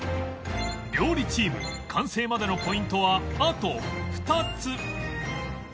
料理チーム完成までのポイントはあと２つ